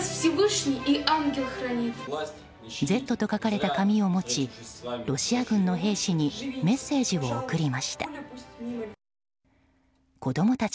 「Ｚ」と書かれた紙を持ちロシア軍の兵士にメッセージを送りました。